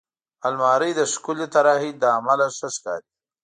الماري د ښکلې طراحۍ له امله ښه ښکاري